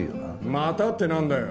「また」ってなんだよ。